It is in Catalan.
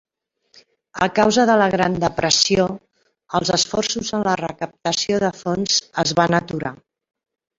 A causa de la Gran Depressió, els esforços en la recaptació de fons es van aturar.